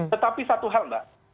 tetapi satu hal mbak